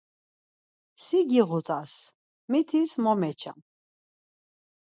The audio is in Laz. Si giğut̆as. Mitis mo meçam.